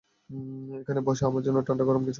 এখানে বসে আমার জন্য ঠান্ডা গরম কিছু খাও।